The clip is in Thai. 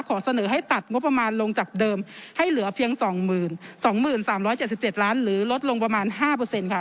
เสนอให้ตัดงบประมาณลงจากเดิมให้เหลือเพียง๒๒๓๗๗ล้านหรือลดลงประมาณ๕ค่ะ